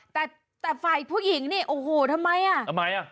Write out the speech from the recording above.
แต่แต่ฝ่ายผู้หญิงนี่โอ้โหทำไมอ่ะทำไมอ่ะ